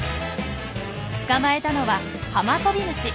捕まえたのはハマトビムシ。